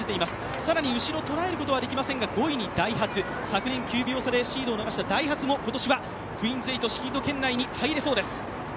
更に、後ろを捉えることはできませんが５位にダイハツ、昨年９秒差でシードを逃したダイハツも今年はクイーンズ８シード圏内に入れそうです。